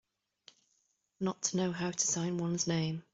Not to know how to sign one's name.